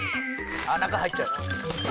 「あっ中入っちゃう」